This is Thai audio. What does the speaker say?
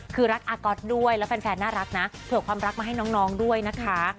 คือรักอาก๊อตด้วยแล้วแฟนน่ารักนะเผื่อความรักมาให้น้องด้วยนะคะ